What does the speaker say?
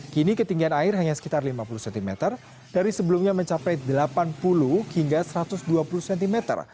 kini ketinggian air hanya sekitar lima puluh cm dari sebelumnya mencapai delapan puluh hingga satu ratus dua puluh cm